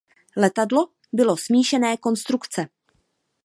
Letadlo bylo smíšené konstrukce.